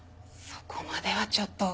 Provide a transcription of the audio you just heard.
そこまではちょっと。